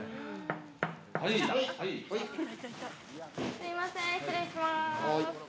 すみません、失礼します。